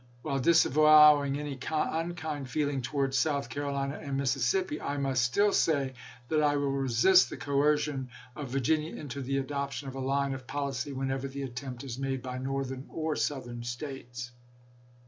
While disavowing any unkind feeling towards South Carolina and Mississippi, I must still say that I will resist the coercion of Virginia into the adop tion of a line of policy whenever the attempt is jSTTsw. made by Northern or Southern States."